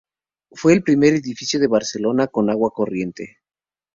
Fue el primer edificio de Barcelona con agua corriente.